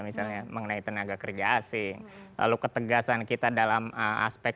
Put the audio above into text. misalnya mengenai tenaga kerja asing lalu ketegasan kita dalam aspek